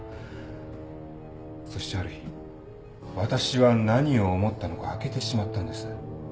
そしてある日私は何を思ったのか開けてしまったんです。